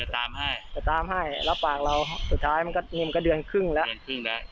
ตามให้ไปตามให้รับปากเราสุดท้ายมันก็เดือนครึ่งแล้วเดือนครึ่งแล้ว